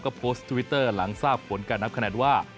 ก็โพสต์ทวิตเตอร์หลังทราบผลการนับคะแนนว่า